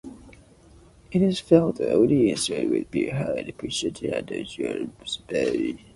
It is felt, and audiences would be hard-pressed to not surrender to her groove.